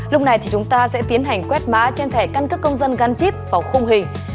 lúc này thì chúng ta sẽ tiến hành quét mã trên thẻ căn cước công dân gắn chip vào khung hình